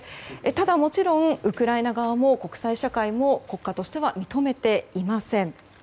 ただ、もちろんウクライナ側も国際社会も国家としては認めていません。